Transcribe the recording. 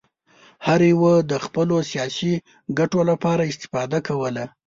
هر یوه د خپلو سیاسي ګټو لپاره استفاده کوله.